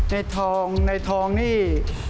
ในทองในทองนี่